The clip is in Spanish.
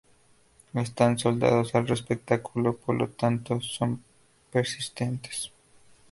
Están soldados al receptáculo, por lo tanto son persistentes.